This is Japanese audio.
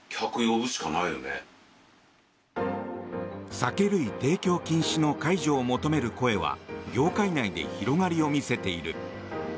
酒類提供禁止の解除を求める声は業界内で広がりを見せている。